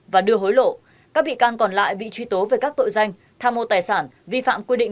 và đưa hối lộ các bị can còn lại bị truy tố về các tội danh tha mô tài sản vi phạm quy định